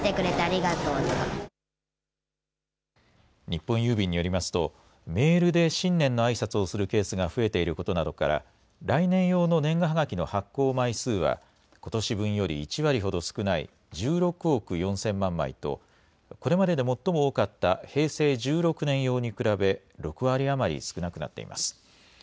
日本郵便によりますとメールで新年のあいさつをするケースが増えていることなどから来年用の年賀はがきの発行枚数はことし分より１割ほど少ない１６億４０００万枚とこれまでで最も多かった平成１６年用に比べ６割余り少なくなってます。